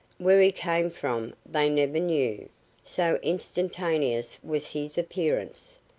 Where he came from they never knew, so instantaneous was his appearance.